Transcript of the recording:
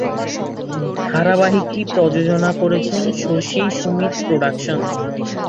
ধারাবাহিকটি প্রযোজনা করেছেন শশী সুমিত প্রোডাকশনস।